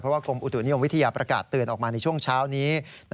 กรมอุตุนิยมวิทยาประกาศเตือนออกมาในช่วงเช้านี้